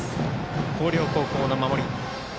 広陵高校の守り。